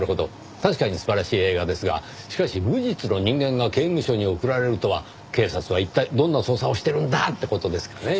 確かに素晴らしい映画ですがしかし無実の人間が刑務所に送られるとは警察は一体どんな捜査をしてるんだ！って事ですかねぇ。